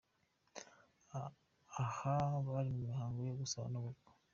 Aha bari mu mihango yo gusaba no gukwa.